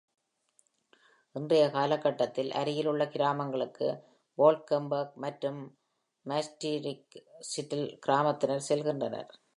இன்றைய காலக்கட்டத்தில், அருகில் உள்ள கிராமங்களுக்கு வால்க்கென்பர்க் மற்றும் மாஸ்டிரிச்சிட்டில் கிராமத்தினர் செல்கின்றனர்.